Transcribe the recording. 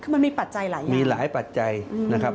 คือมันมีปัจจัยหลายอย่างมีหลายปัจจัยนะครับ